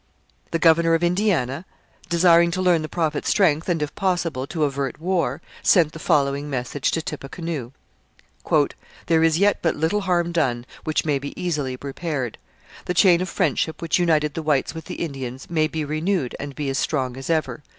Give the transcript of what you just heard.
The governor of Indiana, desiring to learn the Prophet's strength and, if possible, to avert war, sent the following message to Tippecanoe: There is yet but little harm done, which may be easily repaired. The chain of friendship, which united the whites with the Indians, may be renewed and be as strong as ever.